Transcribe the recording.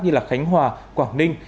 như là khánh hòa quảng ninh